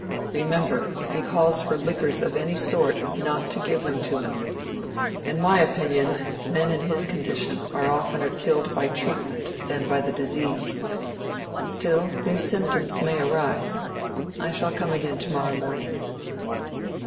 Remember, if he calls for liquors of any sort, not to give them to him. In my opinion, men in his condition are oftener killed by treatment than by the disease. Still, new symptoms may arise. I shall come again to morrow morning."